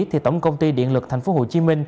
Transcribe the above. thì tổng công ty điện lực tp hcm